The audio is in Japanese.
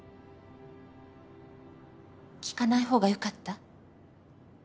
聞かない方がよかった？